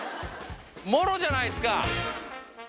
もろじゃないっすか。